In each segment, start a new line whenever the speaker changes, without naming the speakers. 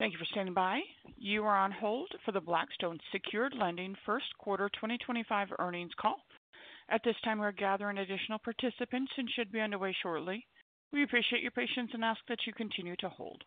Thank you for standing by. You are on hold for the Blackstone Secured Lending Fund First Quarter 2025 earnings call. At this time, we are gathering additional participants and should be underway shortly. We appreciate your patience and ask that you continue to hold.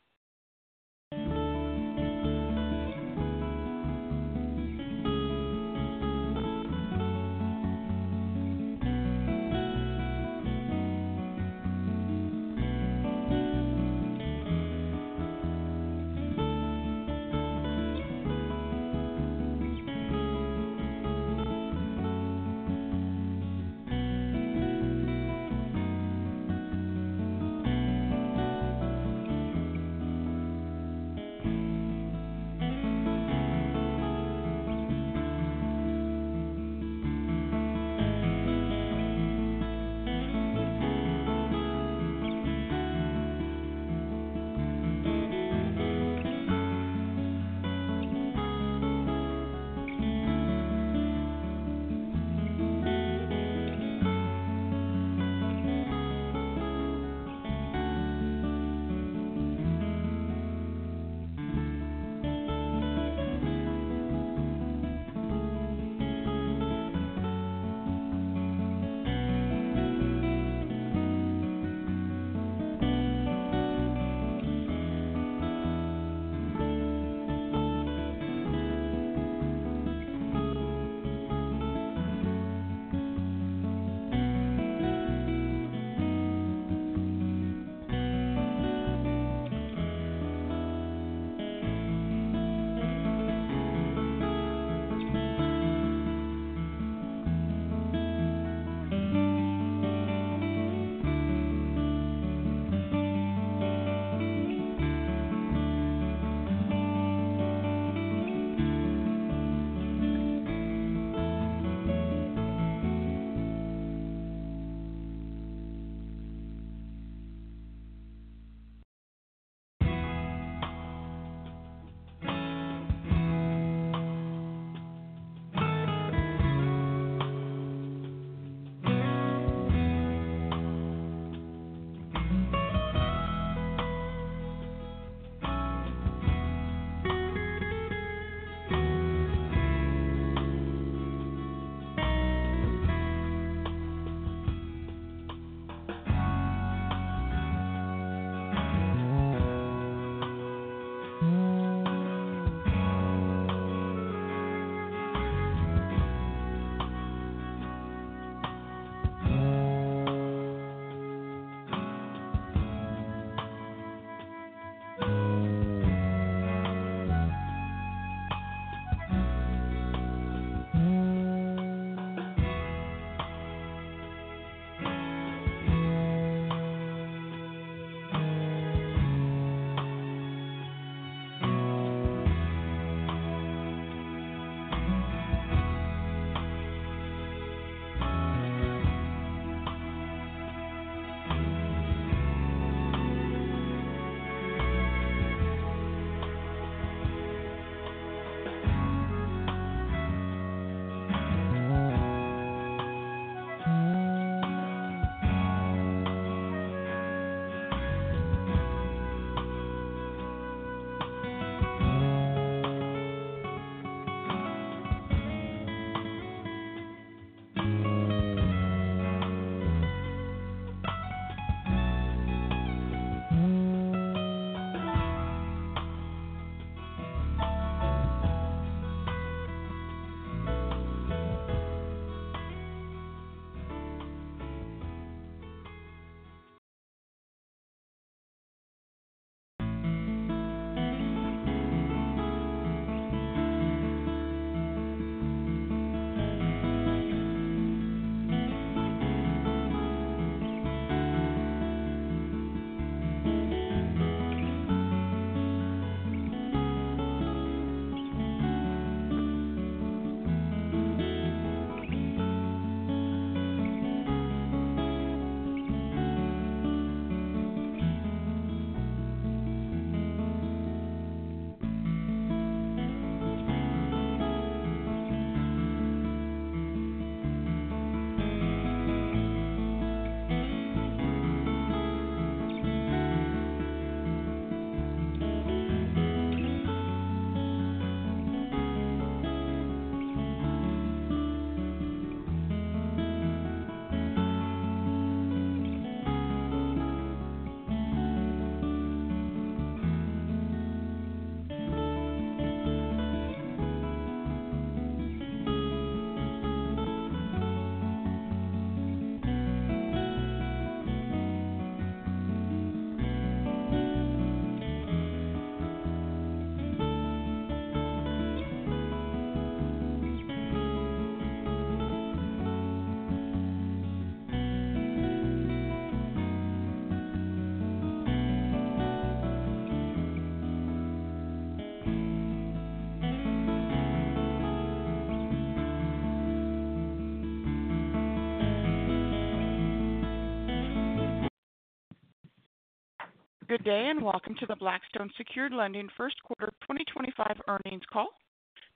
Good day and welcome to the Blackstone Secured Lending Fund First Quarter 2025 earnings call.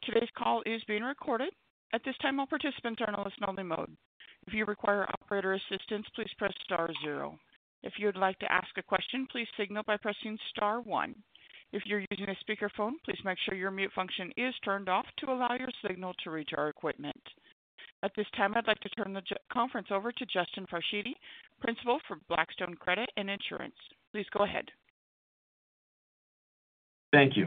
Today's call is being recorded. At this time, all participants are in a listen-only mode. If you require operator assistance, please press star zero. If you would like to ask a question, please signal by pressing star one. If you're using a speakerphone, please make sure your mute function is turned off to allow your signal to reach our equipment. At this time, I'd like to turn the conference over to Justin Farshidi, Principal for Blackstone Credit and Insurance. Please go ahead.
Thank you.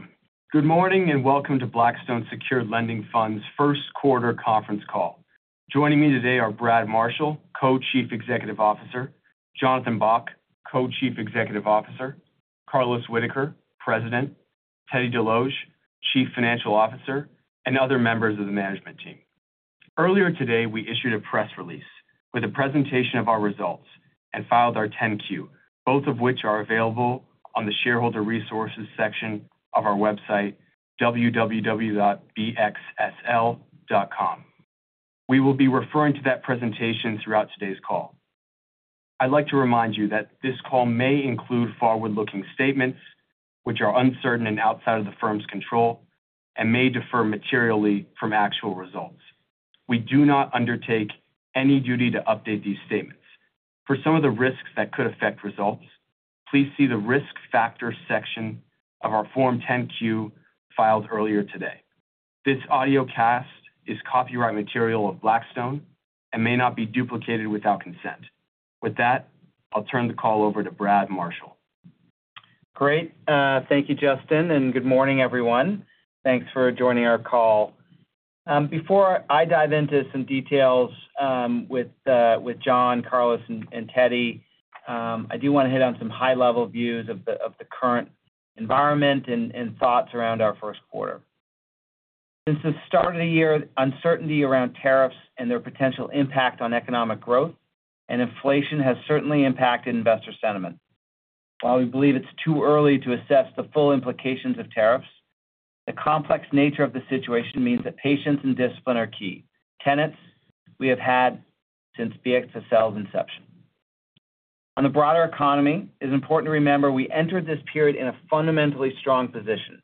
Good morning and welcome to Blackstone Secured Lending Fund's First Quarter Conference Call. Joining me today are Brad Marshall, Co-Chief Executive Officer; Jon Bock, Co-Chief Executive Officer; Carlos Whitaker, President; Teddy Desloge, Chief Financial Officer; and other members of the management team. Earlier today, we issued a press release with a presentation of our results and filed our 10-Q, both of which are available on the shareholder resources section of our website, www.bxsl.com. We will be referring to that presentation throughout today's call. I'd like to remind you that this call may include forward-looking statements, which are uncertain and outside of the firm's control, and may differ materially from actual results. We do not undertake any duty to update these statements. For some of the risks that could affect results, please see the risk factor section of our Form 10-Q filed earlier today. This audio cast is copyright material of Blackstone and may not be duplicated without consent. With that, I'll turn the call over to Brad Marshall.
Great. Thank you, Justin, and good morning, everyone. Thanks for joining our call. Before I dive into some details with John, Carlos, and Teddy, I do want to hit on some high-level views of the current environment and thoughts around our first quarter. Since the start of the year, uncertainty around tariffs and their potential impact on economic growth and inflation has certainly impacted investor sentiment. While we believe it's too early to assess the full implications of tariffs, the complex nature of the situation means that patience and discipline are key. Tenets we have had since BXSL's inception. On the broader economy, it's important to remember we entered this period in a fundamentally strong position,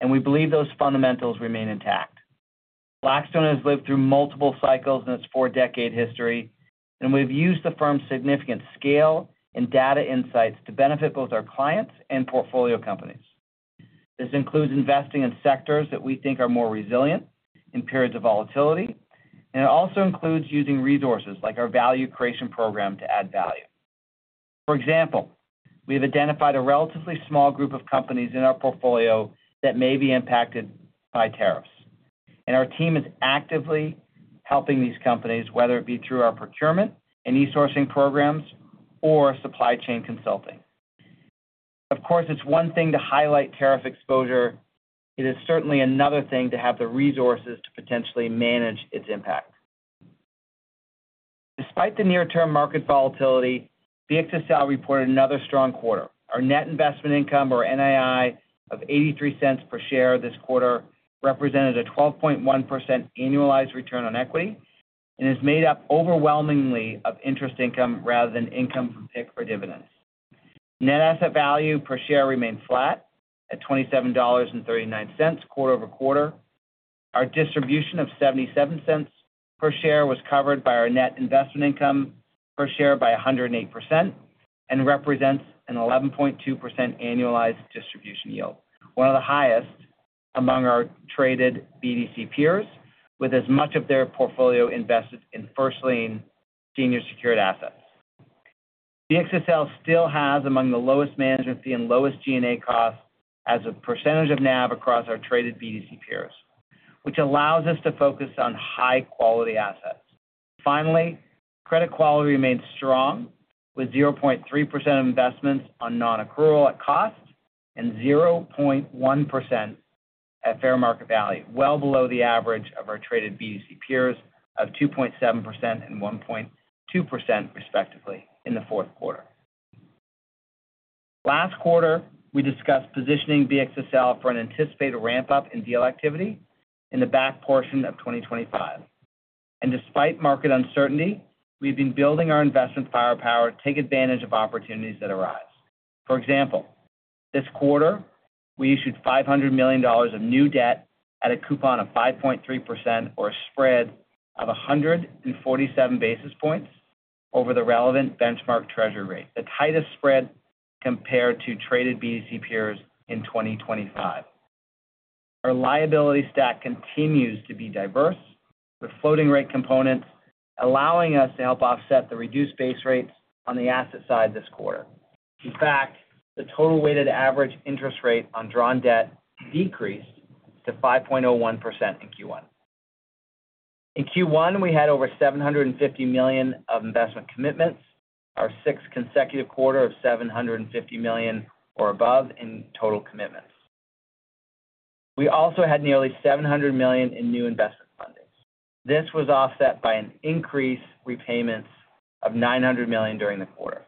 and we believe those fundamentals remain intact. Blackstone has lived through multiple cycles in its four-decade history, and we've used the firm's significant scale and data insights to benefit both our clients and portfolio companies. This includes investing in sectors that we think are more resilient in periods of volatility, and it also includes using resources like our value creation program to add value. For example, we have identified a relatively small group of companies in our portfolio that may be impacted by tariffs, and our team is actively helping these companies, whether it be through our procurement and e-sourcing programs or supply chain consulting. Of course, it's one thing to highlight tariff exposure. It is certainly another thing to have the resources to potentially manage its impact. Despite the near-term market volatility, BXSL reported another strong quarter. Our net investment income, or NII, of $0.83 per share this quarter represented a 12.1% annualized return on equity and is made up overwhelmingly of interest income rather than income from PIC or dividends. Net asset value per share remained flat at $27.39 quarter-over- quarter. Our distribution of $0.77 per share was covered by our net investment income per share by 108% and represents an 11.2% annualized distribution yield, one of the highest among our traded BDC peers, with as much of their portfolio invested in first-lien senior secured assets. BXSL still has among the lowest management fee and lowest G&A costs as a percentage of NAV across our traded BDC peers, which allows us to focus on high-quality assets. Finally, credit quality remains strong with 0.3% of investments on non-accrual at cost and 0.1% at fair market value, well below the average of our traded BDC peers of 2.7% and 1.2%, respectively, in the fourth quarter. Last quarter, we discussed positioning BXSL for an anticipated ramp-up in deal activity in the back portion of 2025. Despite market uncertainty, we've been building our investment firepower to take advantage of opportunities that arise. For example, this quarter, we issued $500 million of new debt at a coupon of 5.3% or a spread of 147 basis points over the relevant benchmark treasury rate, the tightest spread compared to traded BDC peers in 2025. Our liability stack continues to be diverse with floating rate components, allowing us to help offset the reduced base rates on the asset side this quarter. In fact, the total weighted average interest rate on drawn debt decreased to 5.01% in Q1. In Q1, we had over $750 million of investment commitments, our sixth consecutive quarter of $750 million or above in total commitments. We also had nearly $700 million in new investment funding. This was offset by an increased repayment of $900 million during the quarter.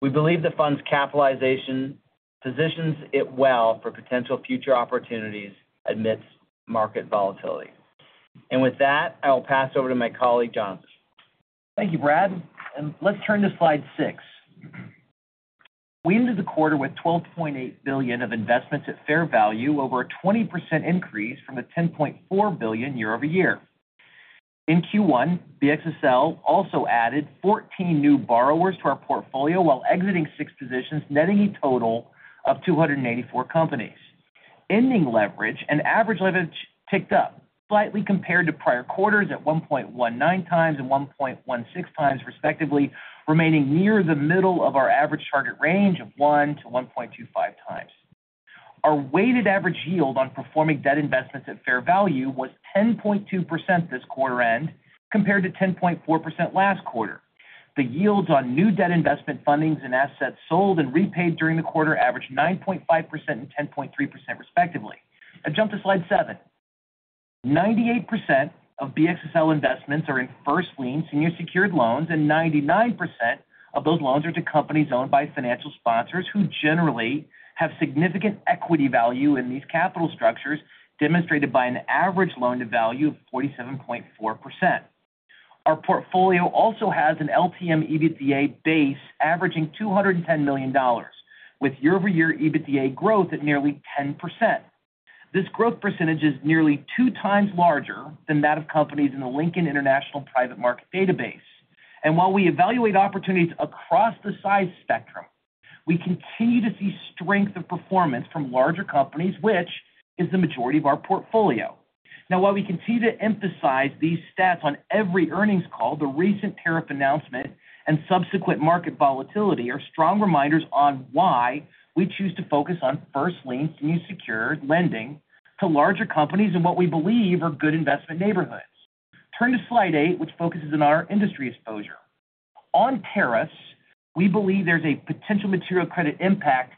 We believe the fund's capitalization positions it well for potential future opportunities amidst market volatility. With that, I will pass it over to my colleague, Jon.
Thank you, Brad. Let's turn to slide six. We ended the quarter with $12.8 billion of investments at fair value, over a 20% increase from $10.4 billion year-over-year. In Q1, BXSL also added 14 new borrowers to our portfolio while exiting six positions, netting a total of 284 companies. Ending leverage and average leverage ticked up slightly compared to prior quarters at 1.19 times and 1.16 times, respectively, remaining near the middle of our average target range of 1-1.25 times. Our weighted average yield on performing debt investments at fair value was 10.2% this quarter-end compared to 10.4% last quarter. The yields on new debt investment fundings and assets sold and repaid during the quarter averaged 9.5% and 10.3%, respectively. Now jump to slide seven. 98% of BXSL investments are in first-lien senior secured loans, and 99% of those loans are to companies owned by financial sponsors who generally have significant equity value in these capital structures, demonstrated by an average loan-to-value of 47.4%. Our portfolio also has an LTM EBITDA base averaging $210 million, with year-over-year EBITDA growth at nearly 10%. This growth percentage is nearly two times larger than that of companies in the Lincoln International Private Market Database. While we evaluate opportunities across the size spectrum, we continue to see strength of performance from larger companies, which is the majority of our portfolio. Now, while we continue to emphasize these stats on every earnings call, the recent tariff announcement and subsequent market volatility are strong reminders on why we choose to focus on first-lien senior secured lending to larger companies in what we believe are good investment neighborhoods. Turn to slide eight, which focuses on our industry exposure. On tariffs, we believe there's a potential material credit impact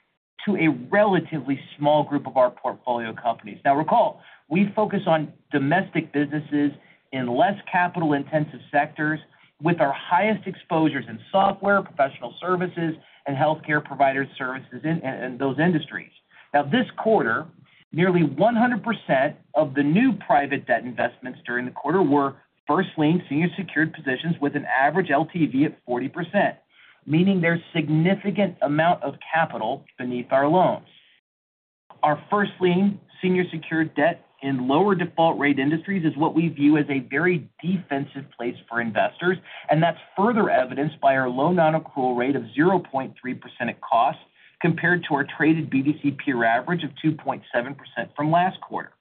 to a relatively small group of our portfolio companies. Now, recall, we focus on domestic businesses in less capital-intensive sectors with our highest exposures in software, professional services, and healthcare provider services in those industries. Now, this quarter, nearly 100% of the new private debt investments during the quarter were first-lien senior secured positions with an average LTV of 40%, meaning there's a significant amount of capital beneath our loans. Our first-lien senior secured debt in lower default-rate industries is what we view as a very defensive place for investors, and that's further evidenced by our low non-accrual rate of 0.3% at cost compared to our traded BDC peer average of 2.7% from last quarter.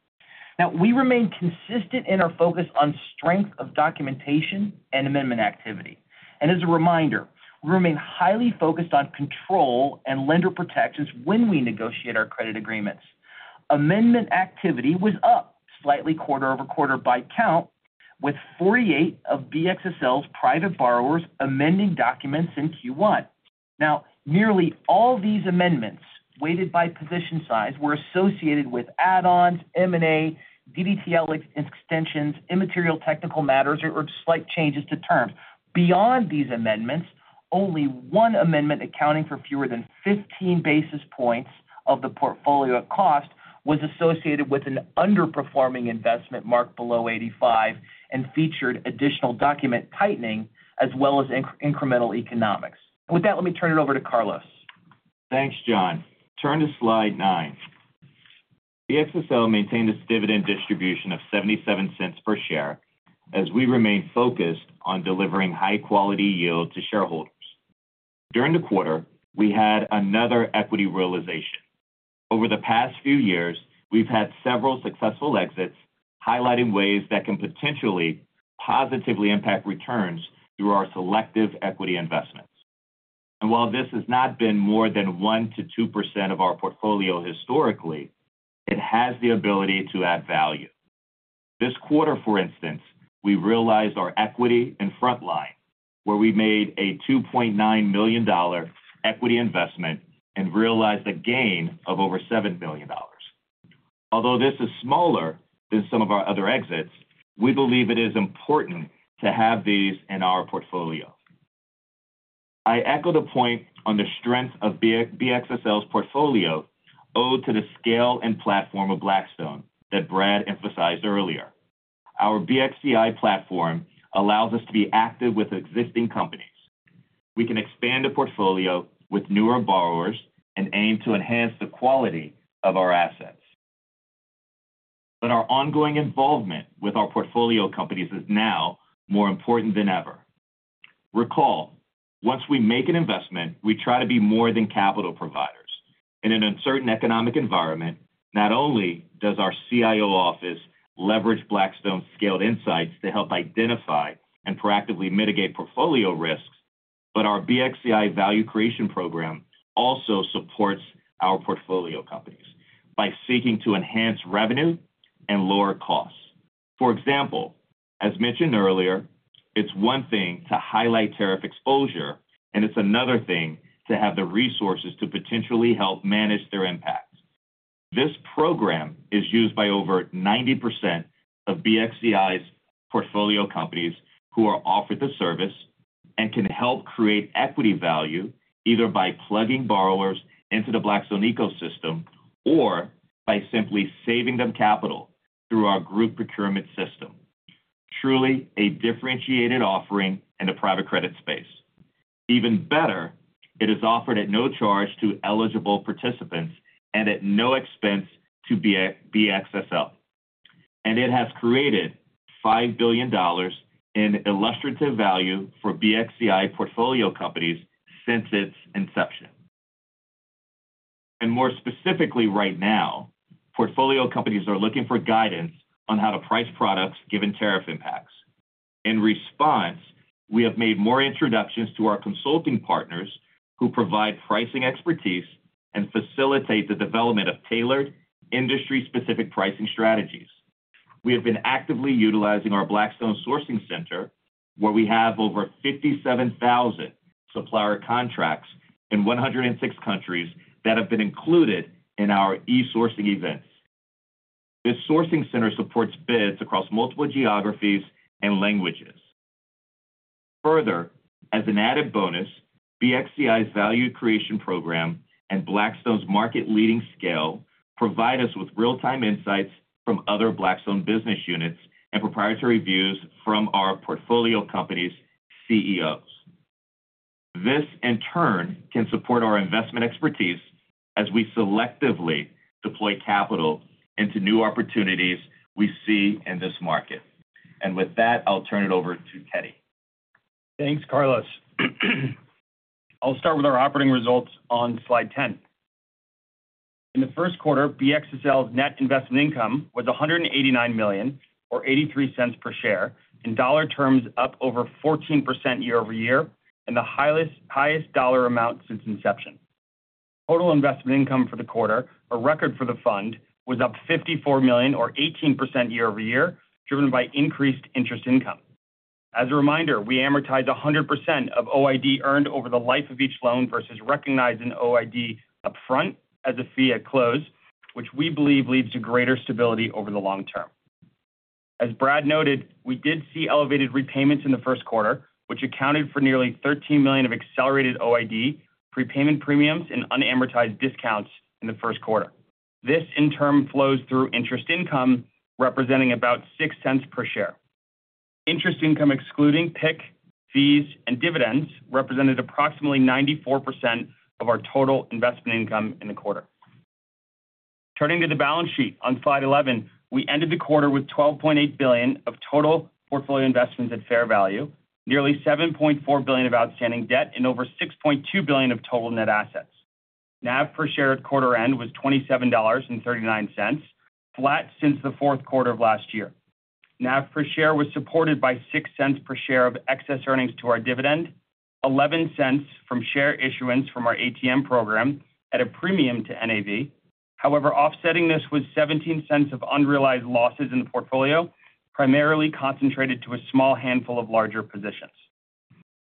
Now, we remain consistent in our focus on strength of documentation and amendment activity. As a reminder, we remain highly focused on control and lender protections when we negotiate our credit agreements. Amendment activity was up slightly quarter-over-quarter by count, with 48 of BXSL's private borrowers amending documents in Q1. Nearly all these amendments, weighted by position size, were associated with add-ons, M&A, DDTL extensions, immaterial technical matters, or slight changes to terms. Beyond these amendments, only one amendment accounting for fewer than 15 basis points of the portfolio at cost was associated with an underperforming investment marked below 85 and featured additional document tightening as well as incremental economics. With that, let me turn it over to Carlos.
Thanks, Jon. Turn to slide nine. BXSL maintained its dividend distribution of $0.77 per share as we remained focused on delivering high-quality yield to shareholders. During the quarter, we had another equity realization. Over the past few years, we've had several successful exits highlighting ways that can potentially positively impact returns through our selective equity investments. While this has not been more than 1-2% of our portfolio historically, it has the ability to add value. This quarter, for instance, we realized our equity in Frontline, where we made a $2.9 million equity investment and realized a gain of over $7 million. Although this is smaller than some of our other exits, we believe it is important to have these in our portfolio. I echo the point on the strength of BXSL's portfolio owed to the scale and platform of Blackstone that Brad emphasized earlier. Our BXCI platform allows us to be active with existing companies. We can expand the portfolio with newer borrowers and aim to enhance the quality of our assets. Our ongoing involvement with our portfolio companies is now more important than ever. Recall, once we make an investment, we try to be more than capital providers. In an uncertain economic environment, not only does our CIO office leverage Blackstone's scaled insights to help identify and proactively mitigate portfolio risks, but our BXCI value creation program also supports our portfolio companies by seeking to enhance revenue and lower costs. For example, as mentioned earlier, it's one thing to highlight tariff exposure, and it's another thing to have the resources to potentially help manage their impact. This program is used by over 90% of BXCI's portfolio companies who are offered the service and can help create equity value either by plugging borrowers into the Blackstone ecosystem or by simply saving them capital through our group procurement system. Truly a differentiated offering in the private credit space. Even better, it is offered at no charge to eligible participants and at no expense to BXSL. It has created $5 billion in illustrative value for BXCI portfolio companies since its inception. More specifically right now, portfolio companies are looking for guidance on how to price products given tariff impacts. In response, we have made more introductions to our consulting partners who provide pricing expertise and facilitate the development of tailored, industry-specific pricing strategies. We have been actively utilizing our Blackstone Sourcing Center, where we have over 57,000 supplier contracts in 106 countries that have been included in our e-sourcing events. This sourcing center supports bids across multiple geographies and languages. Further, as an added bonus, BXCI's value creation program and Blackstone's market-leading scale provide us with real-time insights from other Blackstone business units and proprietary views from our portfolio companies' CEOs. This, in turn, can support our investment expertise as we selectively deploy capital into new opportunities we see in this market. With that, I'll turn it over to Teddy.
Thanks, Carlos. I'll start with our operating results on slide 10. In the first quarter, BXSL's net investment income was $189 million, or $0.83 per share, in dollar terms up over 14% year-over-year and the highest dollar amount since inception. Total investment income for the quarter, a record for the fund, was up $54 million, or 18% year-over-year, driven by increased interest income. As a reminder, we amortized 100% of OID earned over the life of each loan versus recognizing OID upfront as a fee at close, which we believe leads to greater stability over the long term. As Brad noted, we did see elevated repayments in the first quarter, which accounted for nearly $13 million of accelerated OID repayment premiums and unamortized discounts in the first quarter. This, in turn, flows through interest income representing about $0.06 per share. Interest income excluding PIC, fees, and dividends represented approximately 94% of our total investment income in the quarter. Turning to the balance sheet on slide 11, we ended the quarter with $12.8 billion of total portfolio investments at fair value, nearly $7.4 billion of outstanding debt, and over $6.2 billion of total net assets. NAV per share at quarter-end was $27.39, flat since the fourth quarter of last year. NAV per share was supported by $0.06 per share of excess earnings to our dividend, $0.11 from share issuance from our ATM program at a premium to NAV. However, offsetting this was $0.17 of unrealized losses in the portfolio, primarily concentrated to a small handful of larger positions.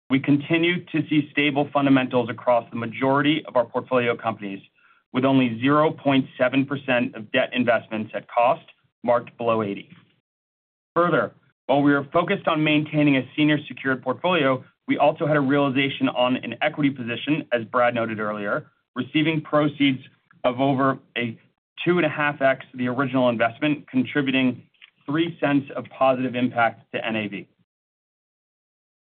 We continue to see stable fundamentals across the majority of our portfolio companies, with only 0.7% of debt investments at cost marked below 80. Further, while we were focused on maintaining a senior secured portfolio, we also had a realization on an equity position, as Brad noted earlier, receiving proceeds of over a 2.5x the original investment, contributing $0.03 of positive impact to NAV.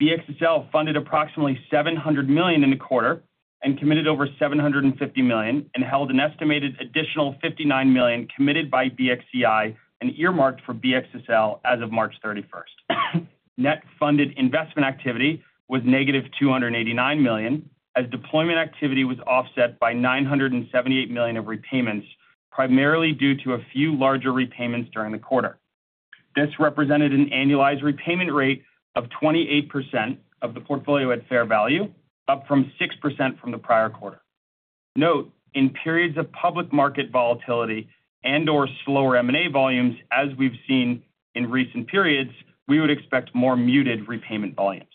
BXSL funded approximately $700 million in the quarter and committed over $750 million, and held an estimated additional $59 million committed by BXCI and earmarked for BXSL as of March 31. Net funded investment activity was negative $289 million, as deployment activity was offset by $978 million of repayments, primarily due to a few larger repayments during the quarter. This represented an annualized repayment rate of 28% of the portfolio at fair value, up from 6% from the prior quarter. Note, in periods of public market volatility and/or slower M&A volumes, as we've seen in recent periods, we would expect more muted repayment volumes.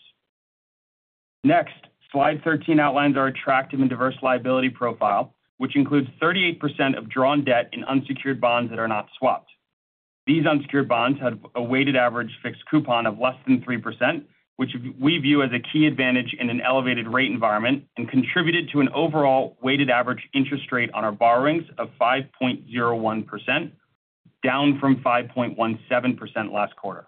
Next, slide 13 outlines our attractive and diverse liability profile, which includes 38% of drawn debt in unsecured bonds that are not swapped. These unsecured bonds had a weighted average fixed coupon of less than 3%, which we view as a key advantage in an elevated rate environment and contributed to an overall weighted average interest rate on our borrowings of 5.01%, down from 5.17% last quarter.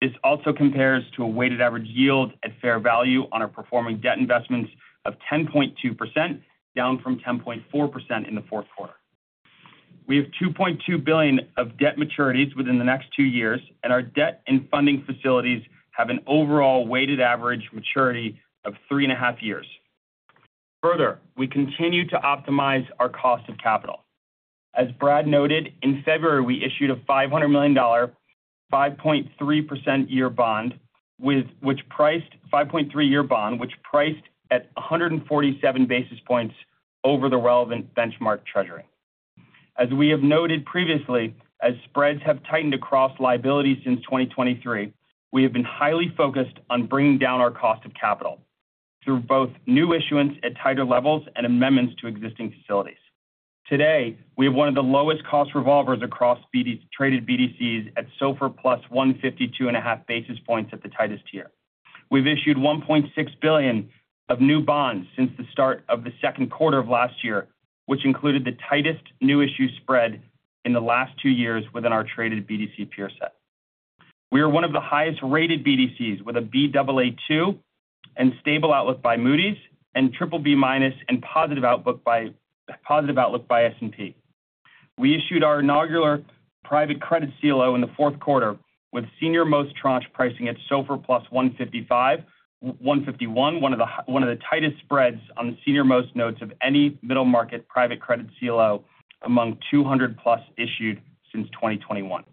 This also compares to a weighted average yield at fair value on our performing debt investments of 10.2%, down from 10.4% in the fourth quarter. We have $2.2 billion of debt maturities within the next two years, and our debt and funding facilities have an overall weighted average maturity of 3.5 years. Further, we continue to optimize our cost of capital. As Brad noted, in February, we issued a $500 million, 5.3 year bond, which priced at 147 basis points over the relevant benchmark treasury. As we have noted previously, as spreads have tightened across liabilities since 2023, we have been highly focused on bringing down our cost of capital through both new issuance at tighter levels and amendments to existing facilities. Today, we have one of the lowest cost revolvers across traded BDCs at SOFR plus 152.5 basis points at the tightest tier. We've issued $1.6 billion of new bonds since the start of the second quarter of last year, which included the tightest new issue spread in the last two years within our traded BDC peer set. We are one of the highest rated BDCs with a Baa2 and stable outlook by Moody's and BBB minus and positive outlook by S&P. We issued our inaugural private credit CLO in the fourth quarter with senior most tranche pricing at SOFR plus 151, one of the tightest spreads on the senior most notes of any middle market private credit CLO among 200 plus issued since 2021.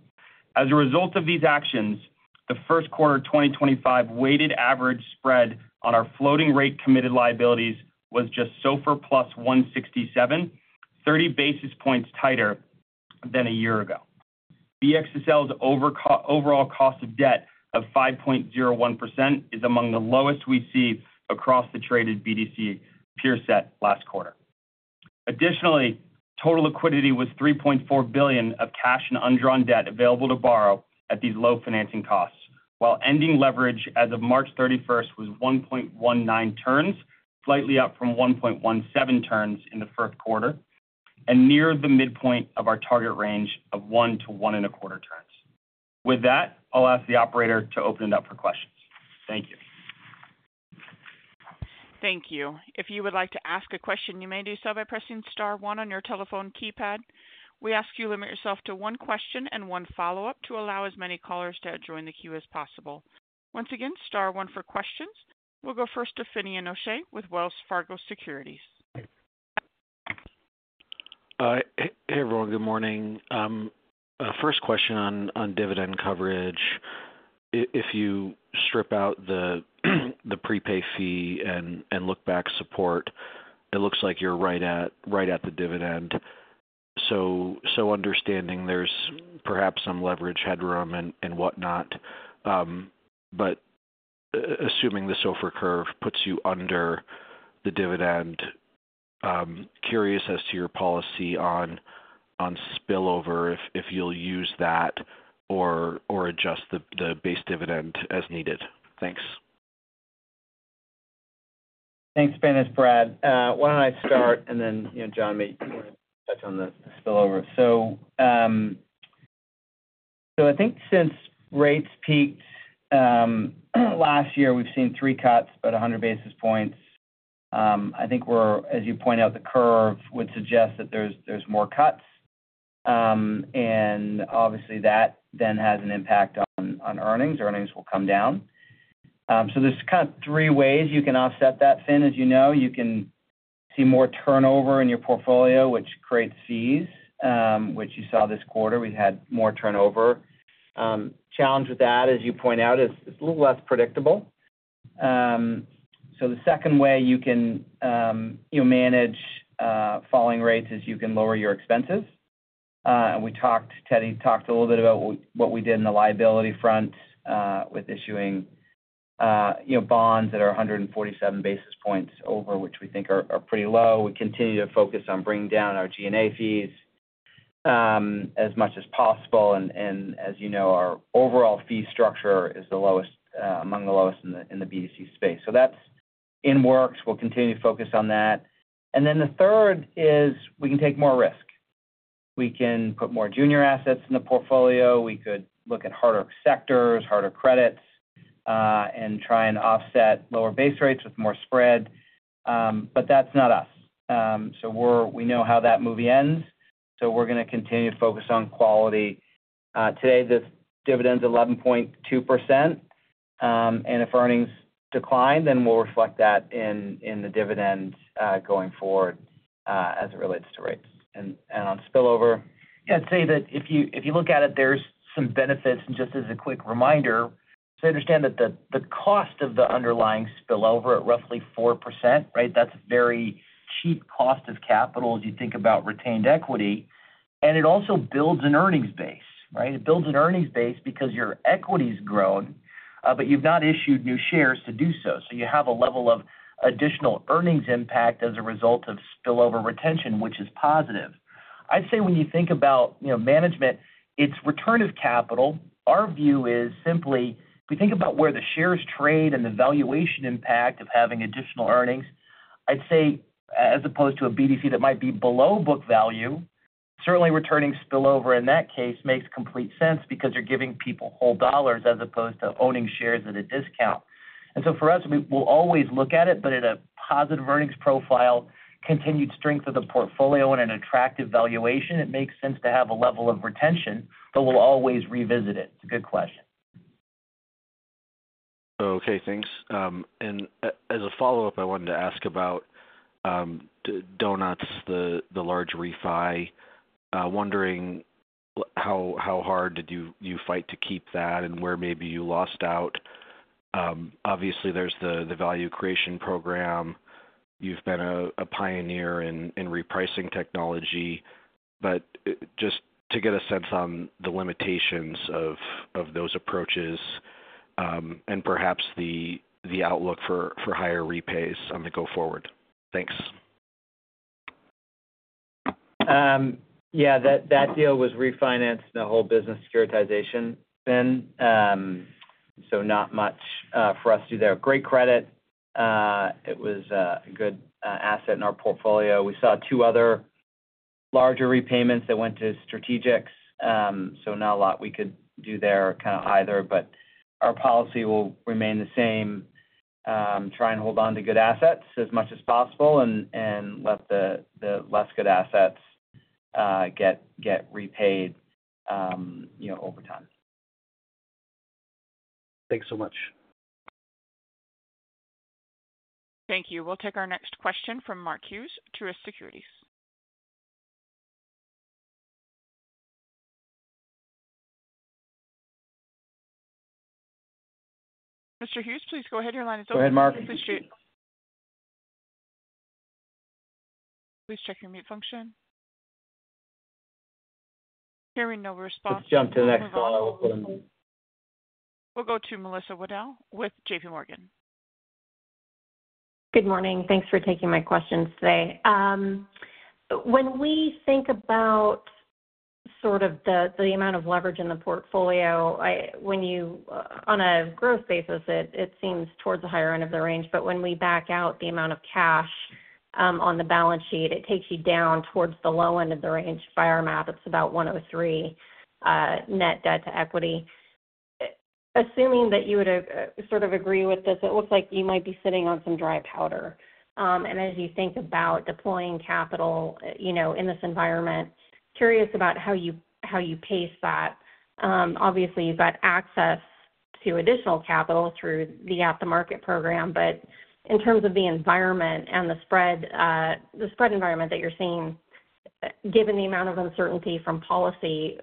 As a result of these actions, the first quarter 2025 weighted average spread on our floating rate committed liabilities was just SOFR plus 167, 30 basis points tighter than a year ago. BXSL's overall cost of debt of 5.01% is among the lowest we see across the traded BDC peer set last quarter. Additionally, total liquidity was $3.4 billion of cash and undrawn debt available to borrow at these low financing costs, while ending leverage as of March 31st was 1.19 turns, slightly up from 1.17 turns in the fourth quarter, and near the midpoint of our target range of 1-1.25 turns. With that, I'll ask the operator to open it up for questions. Thank you.
Thank you. If you would like to ask a question, you may do so by pressing star one on your telephone keypad. We ask you to limit yourself to one question and one follow-up to allow as many callers to join the queue as possible. Once again, star one for questions. We'll go first to Finian O'Shea with Wells Fargo Securities.
Hey, everyone. Good morning. First question on dividend coverage. If you strip out the prepay fee and look-back support, it looks like you're right at the dividend. Understanding there's perhaps some leverage headroom and what not, but assuming the SOFR curve puts you under the dividend, curious as to your policy on spillover if you'll use that or adjust the base dividend as needed. Thanks.
Thanks, Fairness, Brad. Why don't I start, and then Jon, maybe you want to touch on the spillover. I think since rates peaked last year, we've seen three cuts, about 100 basis points. I think, as you point out, the curve would suggest that there's more cuts, and obviously, that then has an impact on earnings. Earnings will come down. There's kind of three ways you can offset that, Finn. As you know, you can see more turnover in your portfolio, which creates fees, which you saw this quarter. We had more turnover. Challenge with that, as you point out, is it's a little less predictable. The second way you can manage falling rates is you can lower your expenses. Teddy talked a little bit about what we did on the liability front with issuing bonds that are 147 basis points over, which we think are pretty low. We continue to focus on bringing down our G&A fees as much as possible. As you know, our overall fee structure is among the lowest in the BDC space. That is in works. We will continue to focus on that. The third is we can take more risk. We can put more junior assets in the portfolio. We could look at harder sectors, harder credits, and try and offset lower base rates with more spread. That is not us. We know how that movie ends. We are going to continue to focus on quality. Today, the dividend is 11.2%. If earnings decline, then we will reflect that in the dividend going forward as it relates to rates.
On spillover, I'd say that if you look at it, there's some benefits. Just as a quick reminder, I understand that the cost of the underlying spillover is roughly 4%, right? That's a very cheap cost of capital as you think about retained equity. It also builds an earnings base, right? It builds an earnings base because your equity's grown, but you've not issued new shares to do so. You have a level of additional earnings impact as a result of spillover retention, which is positive. I'd say when you think about management, it's return of capital. Our view is simply if we think about where the shares trade and the valuation impact of having additional earnings, I'd say as opposed to a BDC that might be below book value, certainly returning spillover in that case makes complete sense because you're giving people whole dollars as opposed to owning shares at a discount. For us, we'll always look at it, but at a positive earnings profile, continued strength of the portfolio, and an attractive valuation, it makes sense to have a level of retention, but we'll always revisit it. It's a good question.
Okay. Thanks. As a follow-up, I wanted to ask about Donuts, the large refi. Wondering how hard did you fight to keep that and where maybe you lost out. Obviously, there is the value creation program. You have been a pioneer in repricing technology. Just to get a sense on the limitations of those approaches and perhaps the outlook for higher rebates on the go forward. Thanks.
Yeah. That deal was refinanced in the whole business securitization, Finn. So not much for us to do there. Great credit. It was a good asset in our portfolio. We saw two other larger repayments that went to strategics. Not a lot we could do there kind of either. Our policy will remain the same. Try and hold on to good assets as much as possible and let the less good assets get repaid over time.
Thanks so much.
Thank you. We'll take our next question from Mark Hughes at Truist Securities. Mr. Hughes, please go ahead. Your line is open.
Go ahead, Mark.
Please check your mute function. Hearing no response.
Just jump to the next call.
We'll go to Melissa Waddell with JP Morgan.
Good morning. Thanks for taking my questions today. When we think about sort of the amount of leverage in the portfolio, on a gross basis, it seems towards the higher end of the range. But when we back out the amount of cash on the balance sheet, it takes you down towards the low end of the range. By our math, it is about 1.03 net debt to equity. Assuming that you would sort of agree with this, it looks like you might be sitting on some dry powder. As you think about deploying capital in this environment, curious about how you pace that. Obviously, you have got access to additional capital through the at-the-market program. In terms of the environment and the spread environment that you are seeing, given the amount of uncertainty from policy,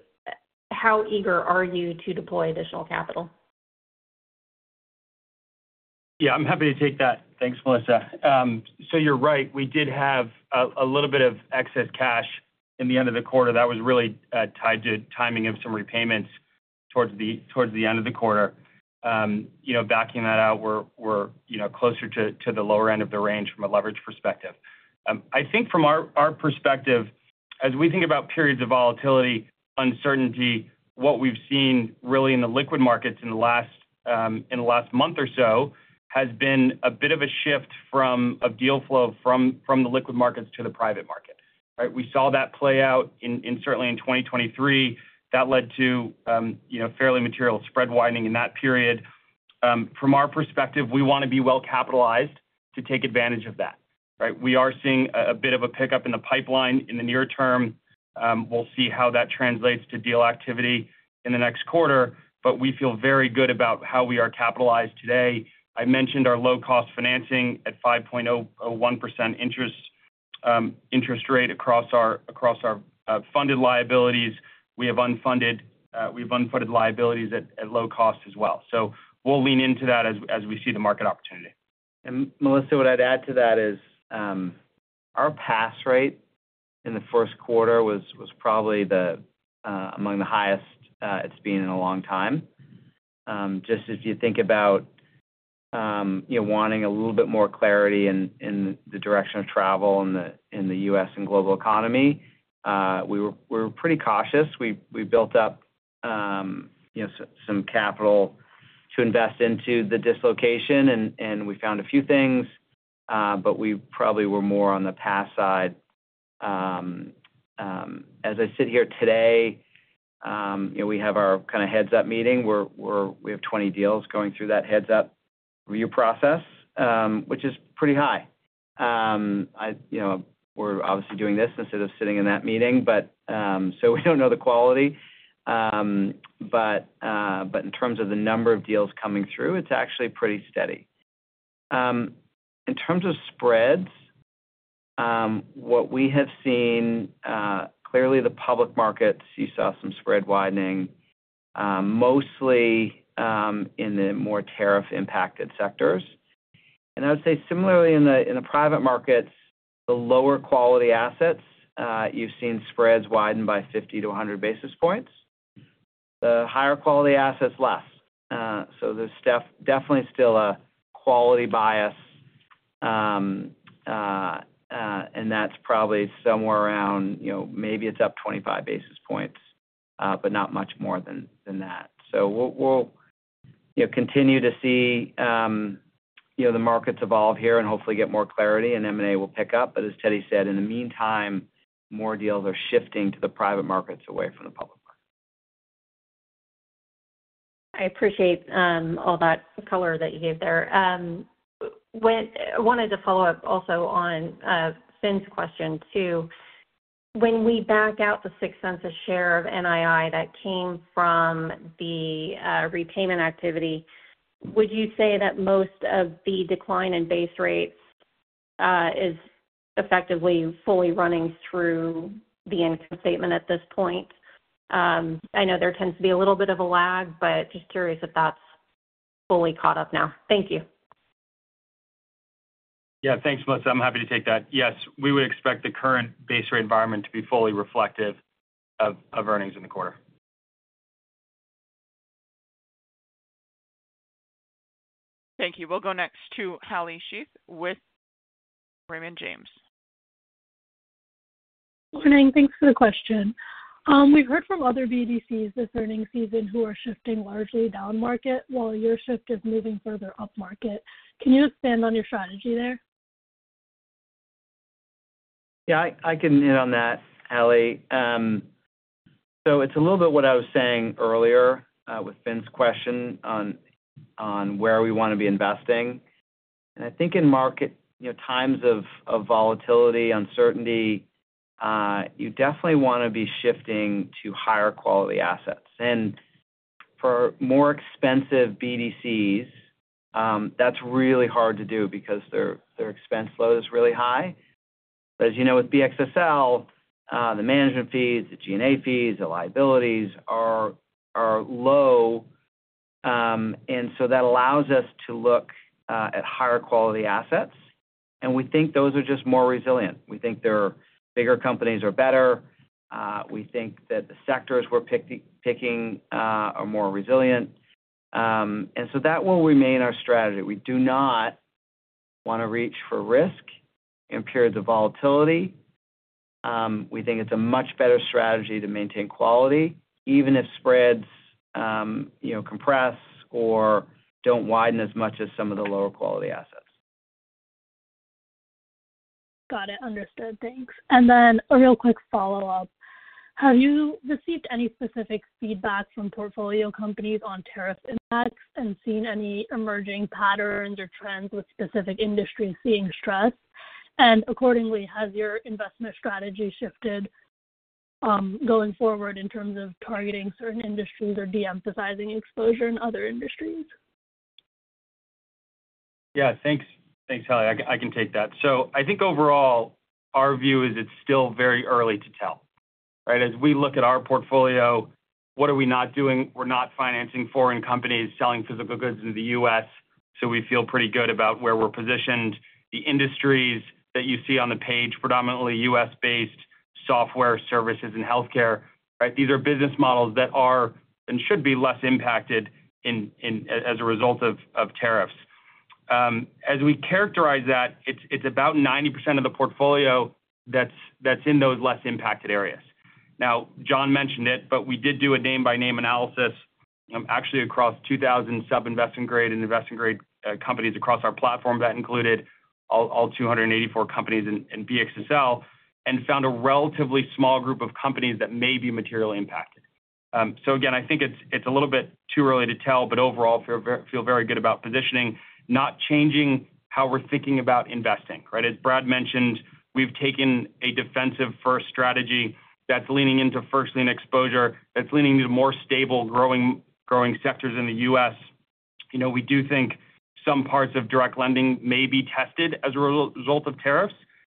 how eager are you to deploy additional capital?
Yeah. I'm happy to take that. Thanks, Melissa. You're right. We did have a little bit of excess cash in the end of the quarter. That was really tied to timing of some repayments towards the end of the quarter. Backing that out, we're closer to the lower end of the range from a leverage perspective. I think from our perspective, as we think about periods of volatility, uncertainty, what we've seen really in the liquid markets in the last month or so has been a bit of a shift of deal flow from the liquid markets to the private market, right? We saw that play out certainly in 2023. That led to fairly material spread widening in that period. From our perspective, we want to be well capitalized to take advantage of that, right? We are seeing a bit of a pickup in the pipeline in the near term. We'll see how that translates to deal activity in the next quarter. We feel very good about how we are capitalized today. I mentioned our low-cost financing at 5.01% interest rate across our funded liabilities. We have unfunded liabilities at low cost as well. We'll lean into that as we see the market opportunity.
Melissa, what I'd add to that is our pass rate in the first quarter was probably among the highest it's been in a long time. If you think about wanting a little bit more clarity in the direction of travel in the U.S. and global economy, we were pretty cautious. We built up some capital to invest into the dislocation, and we found a few things, but we probably were more on the pass side. As I sit here today, we have our kind of heads-up meeting. We have 20 deals going through that heads-up review process, which is pretty high. We're obviously doing this instead of sitting in that meeting. We do not know the quality. In terms of the number of deals coming through, it's actually pretty steady. In terms of spreads, what we have seen, clearly the public markets, you saw some spread widening, mostly in the more tariff-impacted sectors. I would say similarly in the private markets, the lower quality assets, you've seen spreads widen by 50 to 100 basis points. The higher quality assets, less. There is definitely still a quality bias, and that's probably somewhere around maybe it's up 25 basis points, but not much more than that. We will continue to see the markets evolve here and hopefully get more clarity, and M&A will pick up. As Teddy said, in the meantime, more deals are shifting to the private markets away from the public market.
I appreciate all that color that you gave there. I wanted to follow up also on Finn's question too. When we back out the $0.06 a share of NII that came from the repayment activity, would you say that most of the decline in base rates is effectively fully running through the income statement at this point? I know there tends to be a little bit of a lag, but just curious if that's fully caught up now. Thank you.
Yeah. Thanks, Melissa. I'm happy to take that. Yes. We would expect the current base rate environment to be fully reflective of earnings in the quarter.
Thank you. We'll go next to Heli Sheth with Raymond James.
Good morning. Thanks for the question. We've heard from other BDCs this earnings season who are shifting largely down market while your shift is moving further up market. Can you expand on your strategy there?
Yeah. I can hit on that, Allie. It is a little bit what I was saying earlier with Finn's question on where we want to be investing. I think in market times of volatility, uncertainty, you definitely want to be shifting to higher quality assets. For more expensive BDCs, that is really hard to do because their expense load is really high. As you know, with BXSL, the management fees, the G&A fees, the liabilities are low. That allows us to look at higher quality assets. We think those are just more resilient. We think their bigger companies are better. We think that the sectors we are picking are more resilient. That will remain our strategy. We do not want to reach for risk in periods of volatility. We think it's a much better strategy to maintain quality, even if spreads compress or don't widen as much as some of the lower quality assets.
Got it. Understood. Thanks. A real quick follow-up. Have you received any specific feedback from portfolio companies on tariff impacts and seen any emerging patterns or trends with specific industries being stressed? Accordingly, has your investment strategy shifted going forward in terms of targeting certain industries or de-emphasizing exposure in other industries?
Yeah. Thanks, Allie. I can take that. I think overall, our view is it's still very early to tell, right? As we look at our portfolio, what are we not doing? We're not financing foreign companies selling physical goods in the U.S. We feel pretty good about where we're positioned. The industries that you see on the page, predominantly U.S.-based software services and healthcare, right? These are business models that are and should be less impacted as a result of tariffs. As we characterize that, it's about 90% of the portfolio that's in those less impacted areas. Now, Jon mentioned it, but we did do a name-by-name analysis actually across 2,000 sub-investment grade and investment grade companies across our platform that included all 284 companies in BXSL and found a relatively small group of companies that may be materially impacted. Again, I think it's a little bit too early to tell, but overall, feel very good about positioning, not changing how we're thinking about investing, right? As Brad mentioned, we've taken a defensive-first strategy that's leaning into first-lien exposure, that's leaning into more stable, growing sectors in the U.S. We do think some parts of direct lending may be tested as a result of tariffs.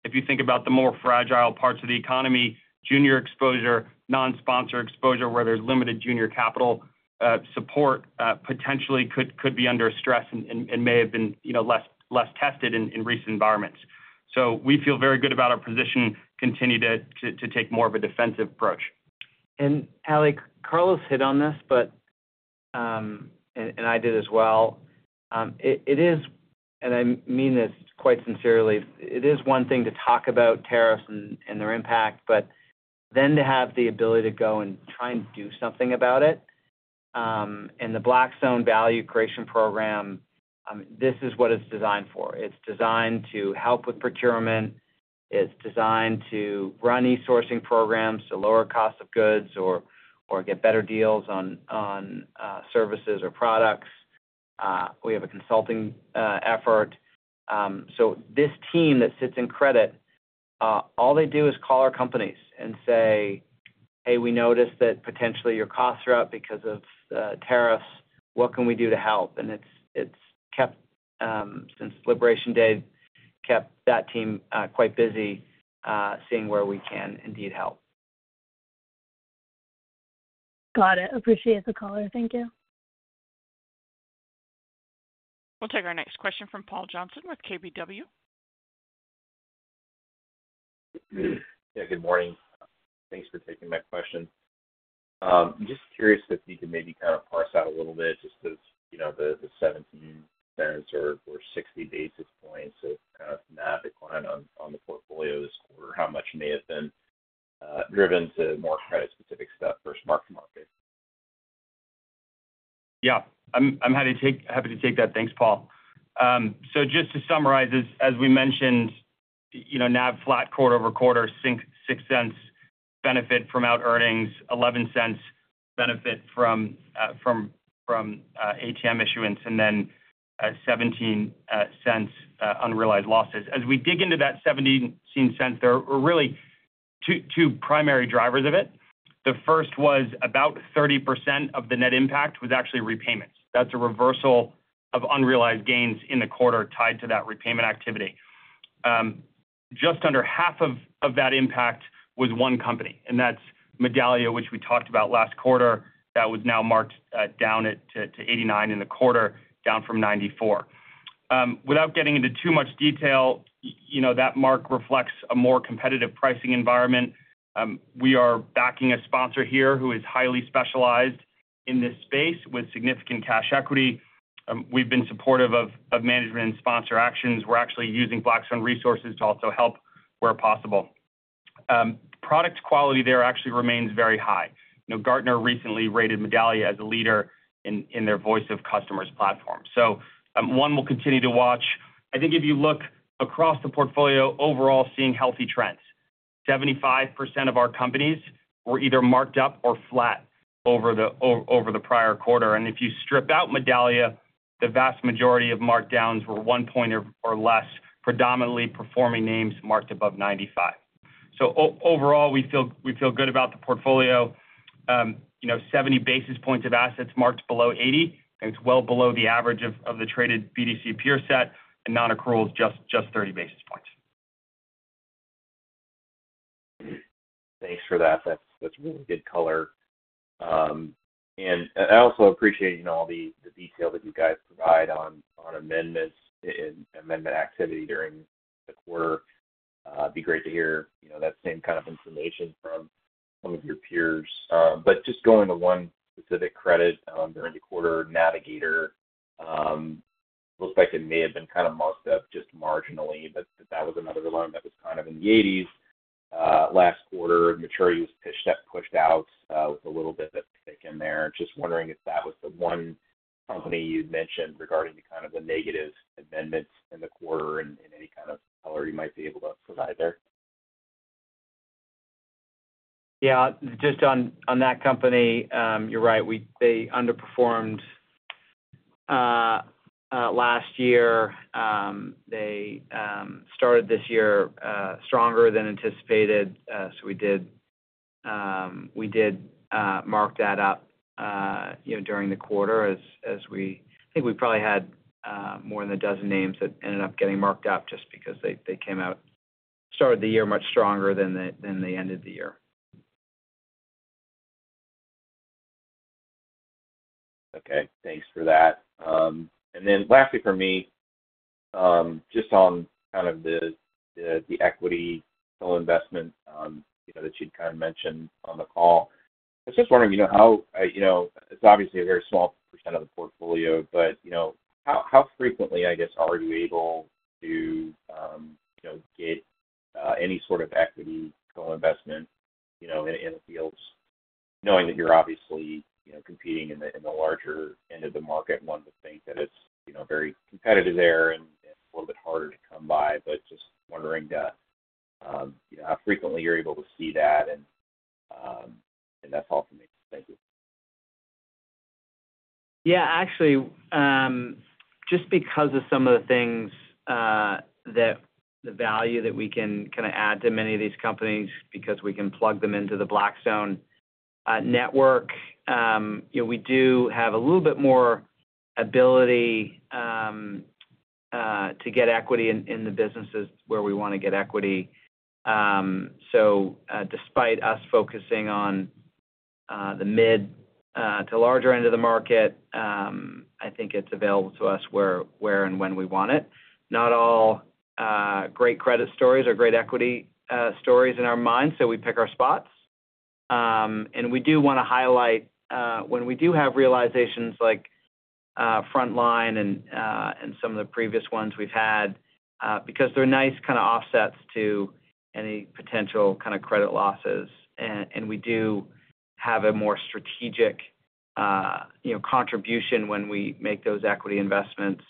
If you think about the more fragile parts of the economy, junior exposure, non-sponsor exposure where there's limited junior capital support potentially could be under stress and may have been less tested in recent environments. We feel very good about our position, continue to take more of a defensive approach.
Allie, Carlos hit on this, and I did as well. I mean this quite sincerely. It is one thing to talk about tariffs and their impact, but then to have the ability to go and try and do something about it. The Blackstone Value Creation Program, this is what it's designed for. It's designed to help with procurement. It's designed to run e-sourcing programs to lower costs of goods or get better deals on services or products. We have a consulting effort. This team that sits in credit, all they do is call our companies and say, "Hey, we noticed that potentially your costs are up because of tariffs. What can we do to help?" Since Liberation Day, kept that team quite busy seeing where we can indeed help.
Got it. Appreciate the caller. Thank you.
We'll take our next question from Paul Johnson with KBW.
Yeah. Good morning. Thanks for taking my question. I'm just curious if you can maybe kind of parse out a little bit just as the $0.17 or 60 basis points of kind of the decline on the portfolio this quarter, how much may have been driven to more credit-specific stuff versus mark-to-market.
Yeah. I'm happy to take that. Thanks, Paul. Just to summarize, as we mentioned, NAV flat quarter-over-quarter, $0.06 benefit from out earnings, $0.11 benefit from ATM issuance, and then $0.17 unrealized losses. As we dig into that $0.17, there were really two primary drivers of it. The first was about 30% of the net impact was actually repayments. That's a reversal of unrealized gains in the quarter tied to that repayment activity. Just under half of that impact was one company. That's Medallia, which we talked about last quarter that was now marked down to 89 in the quarter, down from 94. Without getting into too much detail, that mark reflects a more competitive pricing environment. We are backing a sponsor here who is highly specialized in this space with significant cash equity. We've been supportive of management and sponsor actions. We're actually using Blackstone resources to also help where possible. Product quality there actually remains very high. Gartner recently rated Medallia as a leader in their voice of customers platform. One will continue to watch. I think if you look across the portfolio, overall, seeing healthy trends. 75% of our companies were either marked up or flat over the prior quarter. If you strip out Medallia, the vast majority of marked downs were one point or less, predominantly performing names marked above 95. Overall, we feel good about the portfolio. 70 basis points of assets marked below 80. I think it's well below the average of the traded BDC peer set and non-accruals, just 30 basis points.
Thanks for that. That's really good color. I also appreciate all the detail that you guys provide on amendments and amendment activity during the quarter. It'd be great to hear that same kind of information from some of your peers. Just going to one specific credit during the quarter, Navigator, looks like it may have been kind of marked up just marginally, but that was another line that was kind of in the 80s. Last quarter, maturity was pushed out with a little bit of a stick in there. Just wondering if that was the one company you'd mentioned regarding the kind of the negative amendments in the quarter and any kind of color you might be able to provide there.
Yeah. Just on that company, you're right. They underperformed last year. They started this year stronger than anticipated. We did mark that up during the quarter as we, I think we probably had more than a dozen names that ended up getting marked up just because they came out, started the year much stronger than they ended the year.
Okay. Thanks for that. Lastly for me, just on kind of the equity investment that you'd mentioned on the call, I was just wondering how it's obviously a very small percent of the portfolio, but how frequently, I guess, are you able to get any sort of equity co-investment in the fields? Knowing that you're obviously competing in the larger end of the market, one would think that it's very competitive there and a little bit harder to come by. Just wondering how frequently you're able to see that. That's all for me. Thank you.
Yeah. Actually, just because of some of the things that the value that we can kind of add to many of these companies because we can plug them into the Blackstone network, we do have a little bit more ability to get equity in the businesses where we want to get equity. So despite us focusing on the mid to larger end of the market, I think it's available to us where and when we want it. Not all great credit stories are great equity stories in our minds, so we pick our spots. We do want to highlight when we do have realizations like Frontline and some of the previous ones we've had because they're nice kind of offsets to any potential kind of credit losses. We do have a more strategic contribution when we make those equity investments.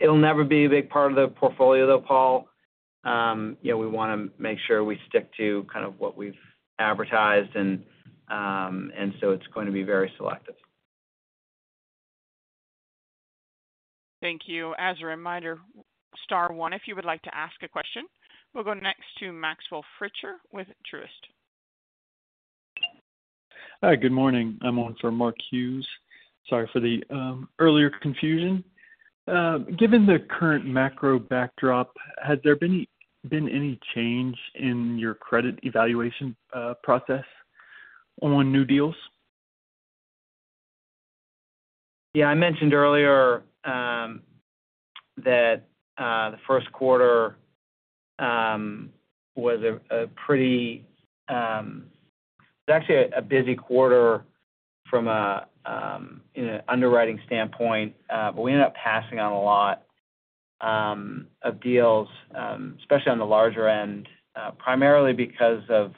It'll never be a big part of the portfolio though, Paul. We want to make sure we stick to kind of what we've advertised. It is going to be very selective.
Thank you. As a reminder, star one if you would like to ask a question. We'll go next to Maxwell Fritcher with Truist.
Hi. Good morning. I'm on for Mark Hughes. Sorry for the earlier confusion. Given the current macro backdrop, has there been any change in your credit evaluation process on new deals?
Yeah. I mentioned earlier that the first quarter was a pretty, it was actually a busy quarter from an underwriting standpoint, but we ended up passing on a lot of deals, especially on the larger end, primarily because of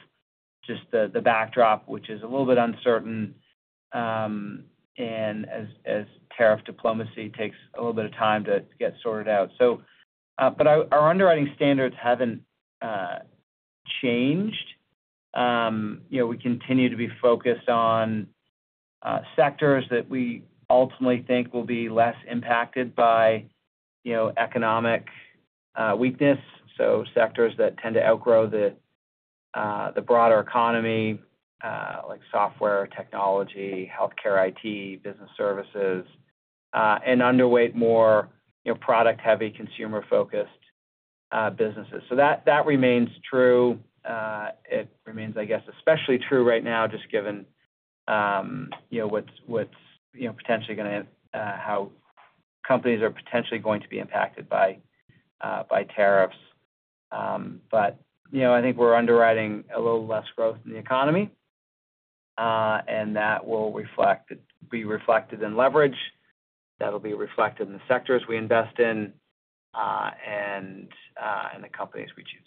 just the backdrop, which is a little bit uncertain and as tariff diplomacy takes a little bit of time to get sorted out. Our underwriting standards have not changed. We continue to be focused on sectors that we ultimately think will be less impacted by economic weakness. Sectors that tend to outgrow the broader economy like software technology, healthcare IT, business services, and underweight more product-heavy, consumer-focused businesses. That remains true. It remains, I guess, especially true right now just given what is potentially going to, how companies are potentially going to be impacted by tariffs. I think we're underwriting a little less growth in the economy, and that will be reflected in leverage. That'll be reflected in the sectors we invest in and the companies we choose.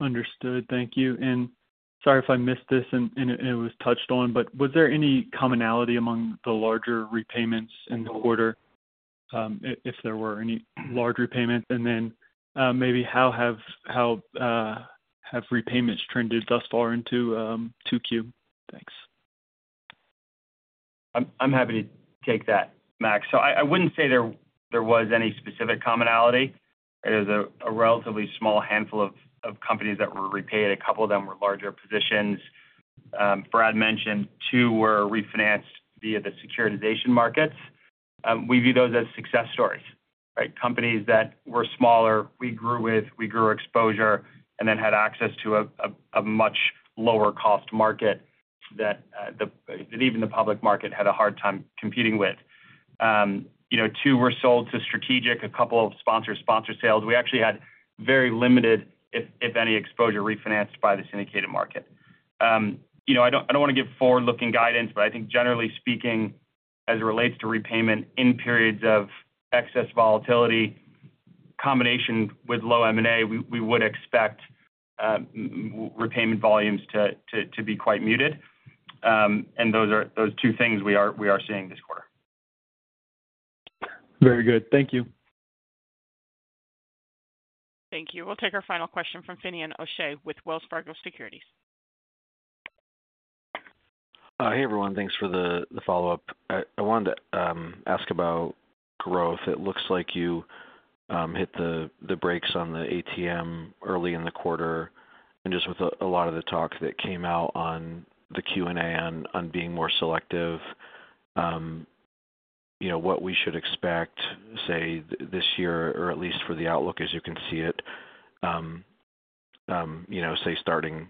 Understood. Thank you. Sorry if I missed this and it was touched on, but was there any commonality among the larger repayments in the quarter if there were any large repayments? Maybe how have repayments trended thus far into Q2? Thanks.
I'm happy to take that, Max. I wouldn't say there was any specific commonality. There's a relatively small handful of companies that were repaid. A couple of them were larger positions. Brad mentioned two were refinanced via the securitization markets. We view those as success stories, right? Companies that were smaller, we grew with, we grew exposure, and then had access to a much lower-cost market that even the public market had a hard time competing with. Two were sold to strategic, a couple of sponsor-sponsor sales. We actually had very limited, if any, exposure refinanced by the syndicated market. I don't want to give forward-looking guidance, but I think generally speaking, as it relates to repayment in periods of excess volatility, combination with low M&A, we would expect repayment volumes to be quite muted. Those are those two things we are seeing this quarter.
Very good. Thank you.
Thank you. We'll take our final question from Finian Patrick O'Shea with Wells Fargo Securities.
Hey, everyone. Thanks for the follow-up. I wanted to ask about growth. It looks like you hit the brakes on the ATM early in the quarter. Just with a lot of the talk that came out on the Q&A on being more selective, what should we expect, say, this year, or at least for the outlook as you can see it, say, starting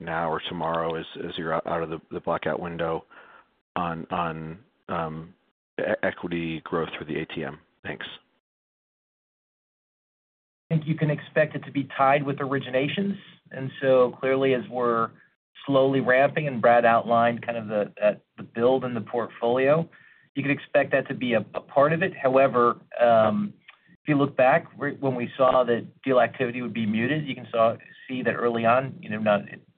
now or tomorrow as you're out of the blackout window on equity growth for the ATM. Thanks.
I think you can expect it to be tied with originations. Clearly, as we're slowly ramping and Brad outlined kind of the build in the portfolio, you can expect that to be a part of it. However, if you look back when we saw that deal activity would be muted, you can see that early on,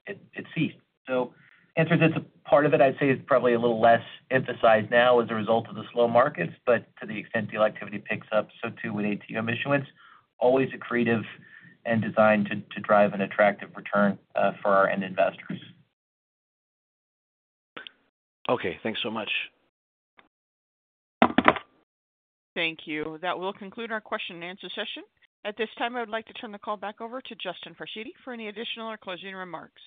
it ceased. The answer that is a part of it, I'd say, is probably a little less emphasized now as a result of the slow markets. To the extent deal activity picks up, so too with ATM issuance. Always accretive and designed to drive an attractive return for our end investors.
Okay. Thanks so much.
Thank you. That will conclude our question and answer session. At this time, I would like to turn the call back over to Justin Farshidi for any additional or closing remarks.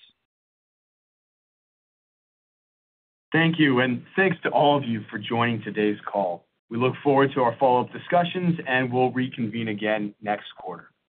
Thank you. Thanks to all of you for joining today's call. We look forward to our follow-up discussions, and we'll reconvene again next quarter.